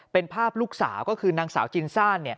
เป็นภาพลูกสาวก็คือนางสาวจินซ่า